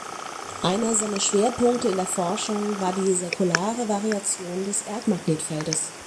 Einer seiner Schwerpunkte in der Forschung war die säkulare Variation des Erdmagnetfeldes.